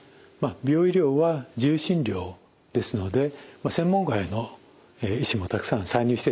美容医療は自由診療ですので専門外の医師もたくさん参入してるんです。